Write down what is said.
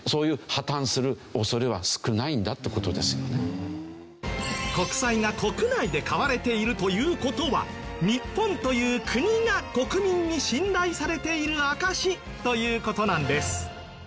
それぞれの国の国民が国債が国内で買われているという事は日本という国が国民に信頼されている証しという事なんです。